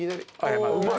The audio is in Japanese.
うまい。